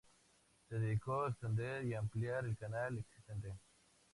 Se decidió extender y ampliar el canal existente.